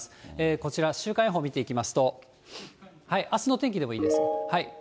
こちら、週間予報見ていきますと、あすの天気でもいいです。